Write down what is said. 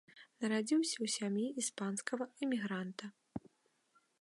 Нарадзіўся ў сям'і іспанскага эмігранта.